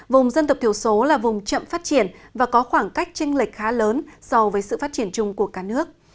vùng dân tộc thiểu số là vùng chậm phát triển và có khoảng cách tranh lệch khá lớn so với sự phát triển chung của cả nước